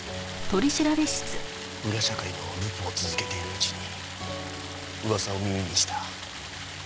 裏社会のルポを続けているうちに噂を耳にした。